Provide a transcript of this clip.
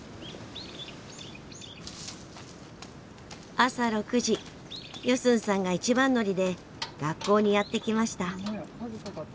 朝６時ヨスンさんが一番乗りで学校にやって来ました。